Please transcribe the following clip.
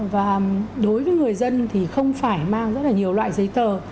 và đối với người dân thì không phải mang rất là nhiều loại giấy tờ